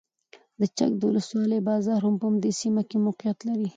د چک د ولسوالۍ بازار هم په همدې سیمه کې موقعیت لري.